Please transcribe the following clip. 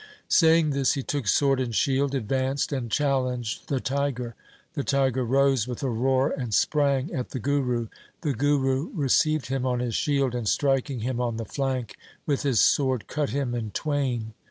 Saying this he took sword and shield, advanced, and challenged the tiger. The tiger rose with a roar and sprang at the Guru. The Guru received him on his shield and striking him on the flank with his sword cut him in twain.